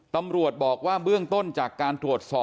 ตำรวจบอกว่าเบื้องต้นจากการทวดสอบพบที่ผู้ชายคนนี้